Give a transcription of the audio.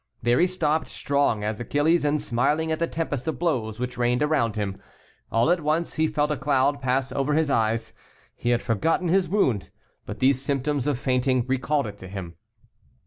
There he stopped, strong as Achilles, and smiling at the tempest of blows which rained around him. All at once he felt a cloud pass over his eyes. He had forgotten his wound, but these symptoms of fainting recalled it to him.